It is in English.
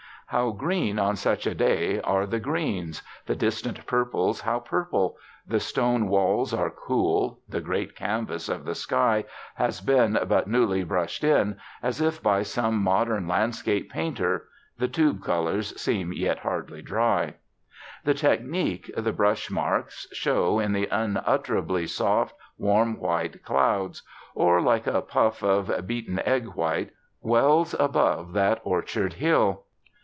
How green, on such a day, are the greens; the distant purples how purple! The stone walls are cool. The great canvas of the sky has been but newly brushed in, as if by some modern landscape painter (the tube colours seem yet hardly dry); the technique, the brush marks, show in the unutterably soft, warm white clouds; or, like a puff of beaten egg white, wells above that orchard hill.